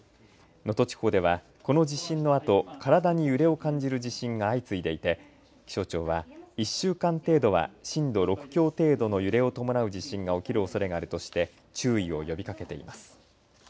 能登地方ではこの地震のあと体に揺れを感じる地震が相次いでいて気象庁は１週間程度は震度６強程度の揺れを伴う地震が起きるおそれがあるとして注意を呼びかけています。